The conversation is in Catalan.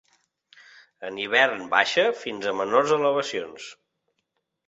En hivern baixa fins a menors elevacions.